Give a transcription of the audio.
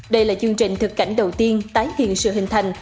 đây là chương trình thực cảnh đầu tiên tái hiện sự hình thành